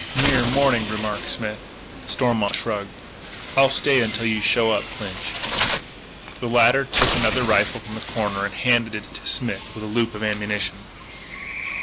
"Nearer morning," remarked Smith. Stormont shrugged. "I'll stay until you show up, Clinch." The latter took another rifle from the corner and handed it to Smith with a loop of ammunition.